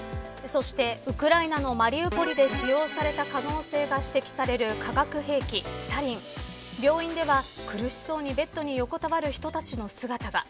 ウクライナのマリウポリで使用された可能性が指摘される化学兵器、サリン病院では苦しそうにベッドに横たわる人たちの姿が。